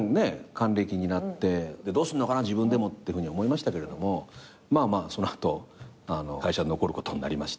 還暦になってどうすんのかな自分でもって思いましたけれどもまあまあその後会社に残ることになりまして。